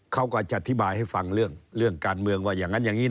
เขาก็จะอธิบายให้ฟังเรื่องการเมืองว่าอย่างนั้นอย่างนี้